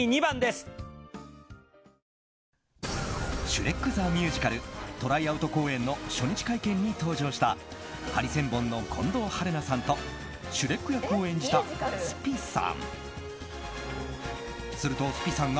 「シュレック・ザ・ミュージカル」トライアウト公演初日会見に登場したハリセンボンの近藤春菜さんとシュレック役を演じたｓｐｉさん。